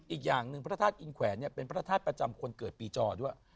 อีกอย่างหนึ่งพระธาตุอินแขวนเป็นพระธาตุประจำคนเกิดปีจอด้วย